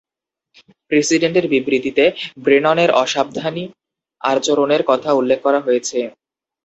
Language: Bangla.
প্রেসিডেন্টের বিবৃতিতে ব্রেননের অসাবধানী আচরণের কথা উল্লেখ করা হয়েছে।